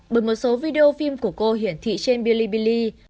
bởi một số video phim của cô hiển thị trên bilibili